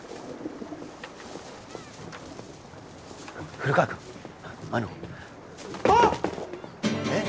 古川君あのあッえッ？